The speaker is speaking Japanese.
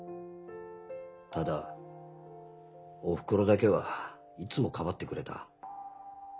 ただおふくろだけはいつもかばってくれた。